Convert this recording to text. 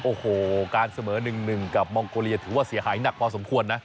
โอ้โหการเสมอ๑๑กับมองโกเลียถือว่าเสียหายหนักพอสมควรนะ